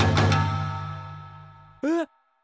えっ！